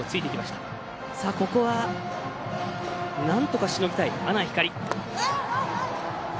なんとかしのぎたい阿南光。